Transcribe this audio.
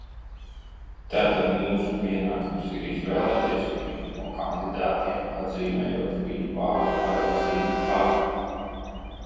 "Tātad mūsu pienākums ir izvēlēties vienu no kandidātiem, atzīmējot viņa vārdu ar atzīmi "par"."